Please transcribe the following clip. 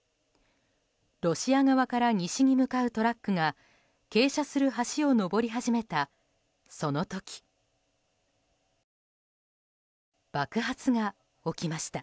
ロシア側から西に向かうトラックが傾斜する橋を上り始めたその時爆発が起きました。